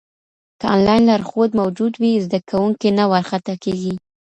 که انلاین لارښود موجود وي، زده کوونکی نه وارخطا کېږي.